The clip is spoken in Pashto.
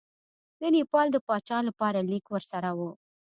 د نیپال د پاچا لپاره لیک ورسره وو.